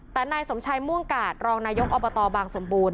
แต่นายสมชัยม่วงกาดรองนายกอบตบางสมบูรณ